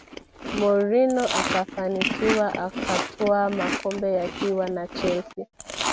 Mourinho akafanikiwa akatwaa makombe akiwa na chelsea